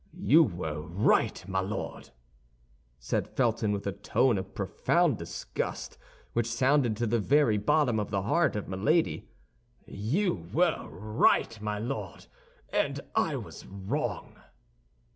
"You were right, my Lord," said Felton, with a tone of profound disgust which sounded to the very bottom of the heart of Milady, "you were right, my Lord, and I was wrong."